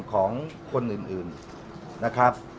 ของคนอื่นนะครับ